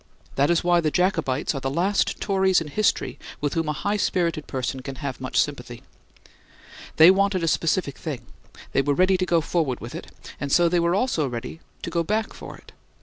That is why the Jacobites are the last Tories in history with whom a high spirited person can have much sympathy. They wanted a specific thing; they were ready to go forward for it, and so they were also ready to go back for it.